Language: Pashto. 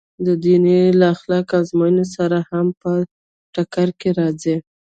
د دین له اخلاقي موازینو سره هم په ټکر کې راځي.